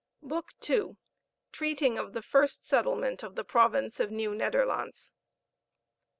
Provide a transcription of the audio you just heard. BOOK II. TREATING OF THE FIRST SETTLEMENT OF THE PROVINCE OF NIEUW NEDERLANDTS.